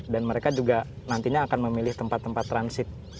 dan mereka juga nantinya akan memilih tempat tempat transit